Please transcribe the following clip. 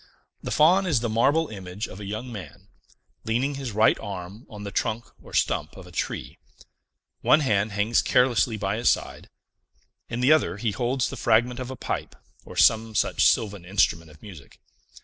The Faun is the marble image of a young man, leaning his right arm on the trunk or stump of a tree; one hand hangs carelessly by his side; in the other he holds the fragment of a pipe, or some such sylvan instrument of music.